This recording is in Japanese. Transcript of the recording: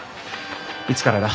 いつからだ？